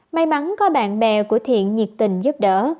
may mắn có bạn bè của thiện nhiệt tình giúp đỡ